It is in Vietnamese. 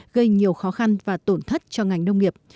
gây nhiều khó khăn và tổn thất cho ngành nông nghiệp